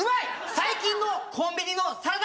最近のコンビニのサラダ